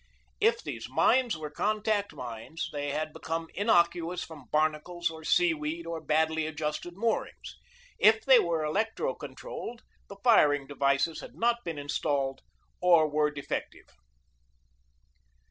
If these mines were contact mines they had become innocuous from barnacles or sea weed or badly adjusted moorings; if they were electro controlled the firing devices had not been installed or were defective."